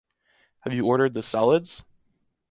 Have you ordered the solids?